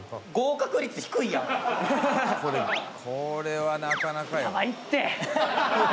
「これはなかなかよ」